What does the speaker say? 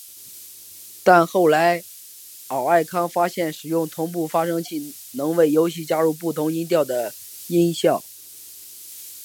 但后来奥尔康发现使用同步发生器能为游戏加入不同音调的音效。